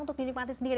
untuk dinikmati sendiri